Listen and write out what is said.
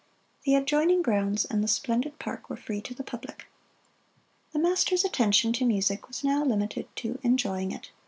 The adjoining grounds and splendid park were free to the public. The master's attention to music was now limited to enjoying it.